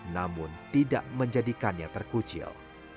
namun tidak menjadikannya terkucil